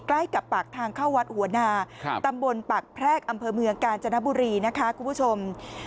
ใกล้กับปากทางเข้าวัดหัวนาตำบลปากแพรกอำเภอเมืองกาญจนบุรีนะคะคุณผู้ชม